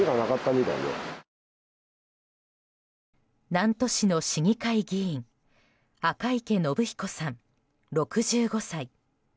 南砺市の市議会議員赤池伸彦さん、６５歳。